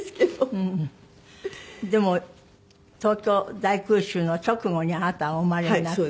でも東京大空襲の直後にあなたがお生まれになって。